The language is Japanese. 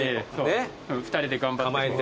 ２人で頑張って。